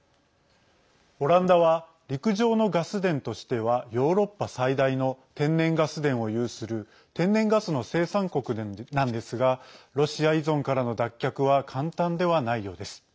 オランダは陸上のガス田としてはヨーロッパ最大の天然ガス田を有する天然ガスの生産国なんですがロシア依存からの脱却は簡単ではないようです。